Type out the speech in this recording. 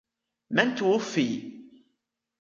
من توفي؟